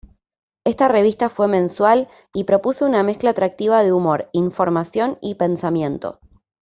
Esta revista fue mensual y propuso una mezcla atractiva de humor, información y pensamiento.